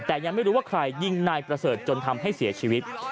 แต่ยังไม่รู้ว่าใครยิงนายประเสริฐจนทำให้เสียชีวิต